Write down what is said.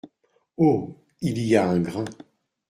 Oh ! il y a un grain !